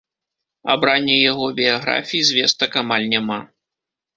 Аб ранняй яго біяграфіі звестак амаль няма.